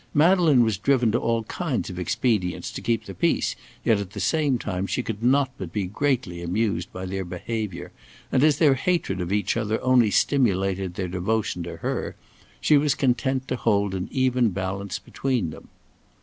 Madeleine was driven to all kinds of expedients to keep the peace, yet at the same time she could not but be greatly amused by their behaviour, and as their hatred of each other only stimulated their devotion to her, she was content to hold an even balance between them.